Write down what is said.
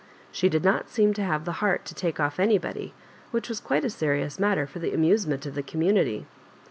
She did not seem to have the heart to take off anybody, which was quite a serious matter for the amusement of the community.